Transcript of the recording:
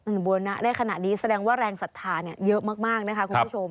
บูรณะได้ขนาดนี้แสดงว่าแรงศรัทธาเนี่ยเยอะมากนะคะคุณผู้ชม